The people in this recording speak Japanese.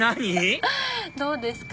どうですか？